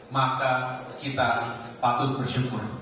maka kita patut bersyukur